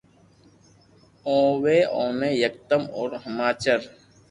اووي اوني یڪدم اورو ھماچر